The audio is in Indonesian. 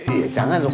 iya jangan dong